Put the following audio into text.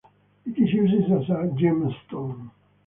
It is used as a gemstone.